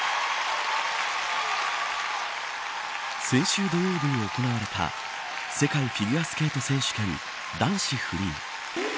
先週土曜日に行われた世界フィギュアスケート選手権男子フリー。